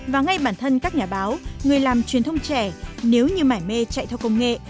và ngay bản thân các nhà báo người làm truyền thông trẻ nếu như mải mê chạy theo công nghệ